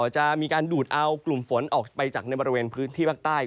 จะมีการดูดเอากลุ่มฝนออกไปจากในบริเวณพื้นที่ภาคใต้